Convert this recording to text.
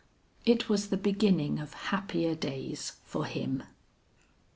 It was the beginning of happier days for him.